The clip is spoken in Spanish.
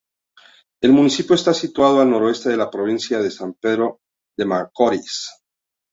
El municipio está situado al noroeste de la provincia de San Pedro de Macorís.